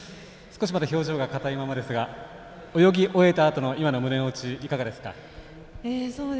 少しまだ表情が硬いままですが泳ぎ終えた、今の胸の内はいかがですか？